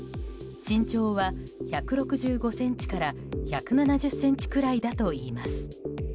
身長は１６５ｃｍから１７０ｃｍくらいだといいます。